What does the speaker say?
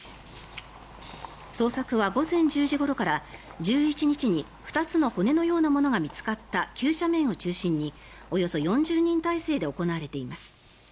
捜索は午前１０時ごろから１１日に２つの骨のようなものが見つかった急斜面を中心におよそ４０人態勢で行われています。